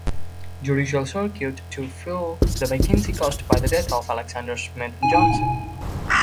Judicial Circuit to fill the vacancy caused by the death of Alexander Smith Johnson.